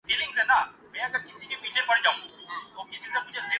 bonds کی قیمتیں بلند تھیں